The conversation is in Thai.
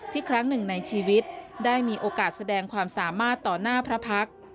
ครั้งหนึ่งในชีวิตได้มีโอกาสแสดงความสามารถต่อหน้าพระพักษ์